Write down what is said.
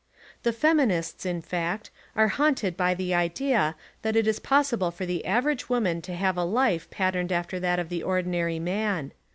The feminists, in fact, are haunted by the idea that it is possible for the average woman to have a life patterned after that of the ordi nary man.